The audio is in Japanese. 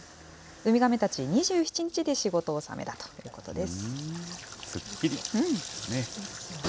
ウミガメたち、２７日で仕事納めだということです。